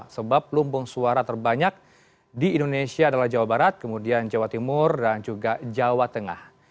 sebab lumbung suara terbanyak di indonesia adalah jawa barat kemudian jawa timur dan juga jawa tengah